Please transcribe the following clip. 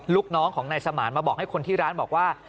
ลูกน้องของนายสมานมาบอกให้คนที่ร้านบอกว่า